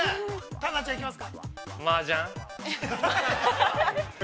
タナちゃん、行きますか。